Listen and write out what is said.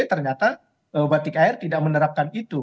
ternyata batik air tidak menerapkan itu